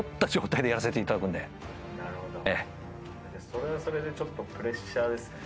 それはそれでちょっとプレッシャーですね。